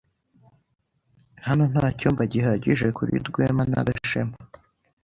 Hano nta cyumba gihagije kuri Rwema na Gashema.